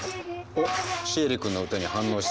おっシエリ君の歌に反応したか。